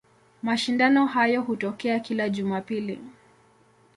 Mashindano hayo hutokea kila Jumapili.